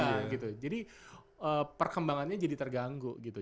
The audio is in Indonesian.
nah gitu jadi perkembangannya jadi terganggu gitu